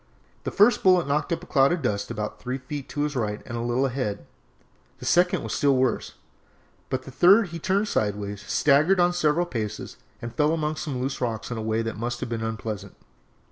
The first bullet knocked up a cloud of dust about three feet to his right and a little ahead, the second was still worse, but at the third he turned sideways, staggered on several paces, and fell among some loose rocks in a way that must have been unpleasant.